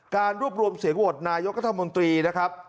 การรวบรวมเสียงโหวตนายกัธมนตรีนะครับ